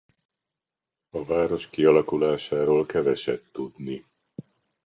A város kialakulásáról keveset tudni.